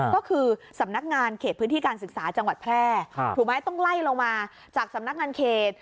ก็คือสำนักงานเขตพื้นที่การศึกษาจังหวัดแพร่ถูกไหมต้องไล่ลงมาจากสำนักงานเขต